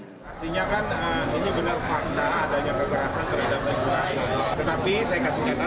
artinya kan ini benar fakta adanya kekerasan terhadap ibu ratna